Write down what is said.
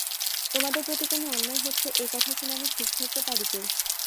তোমাদের প্রতি কোনো অন্যায় হচ্ছে এ কথা শুনে আমি স্থির থাকতে পারি কই?